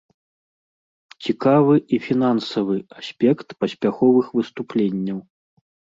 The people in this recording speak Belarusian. Цікавы і фінансавы аспект паспяховых выступленняў.